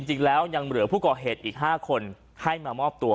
จริงแล้วยังเหลือผู้ก่อเหตุอีก๕คนให้มามอบตัว